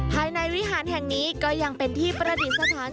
ภายในวิหารแห่งนี้ก็ยังเป็นที่ประดิษฐาน